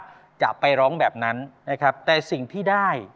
จะไปร้องแบบนั้นนะครับแต่สิ่งที่ได้